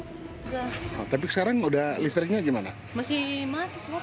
sekarang udah listriknya jatuh tapi sekarang sudah listriknya jatuh tapi sekarang sudah listriknya jatuh